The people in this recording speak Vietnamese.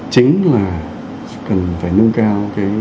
chính là cần phải nâng cao